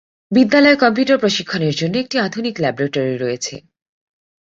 বিদ্যালয়ে কম্পিউটার প্রশিক্ষণের জন্য একটি আধুনিক ল্যাবরেটরি রয়েছে।